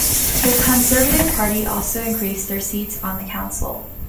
The Conservative Party also increased their seats on the council.